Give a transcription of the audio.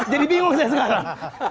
jadi bingung saya sekarang